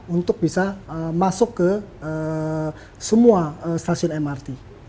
untuk bisa masuk ke semua stasiun mrt